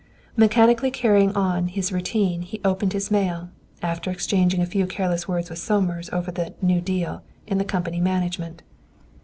Mechanically carrying on his routine, he opened his mail, after exchanging a few careless words with Somers over the "new deal" in the company's management.